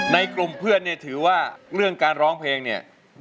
ในกลุ่มเพื่อนเนี่ยถือว่าเรื่องการร้องเพลงเนี่ย